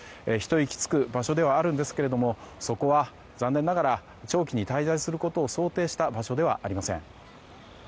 ひと息つく場所ではあるんですがそこは残念ながら長期に滞在することを想定した場所ではありません。